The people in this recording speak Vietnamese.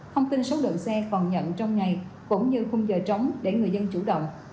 thông tin số đợt xe còn nhận trong ngày cũng như khung giờ trống để người dân chủ động